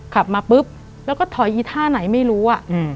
ขับมาปุ๊บแล้วก็ถอยอีท่าไหนไม่รู้